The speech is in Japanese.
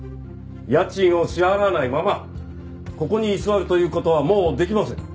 家賃を支払わないままここに居座るという事はもうできません。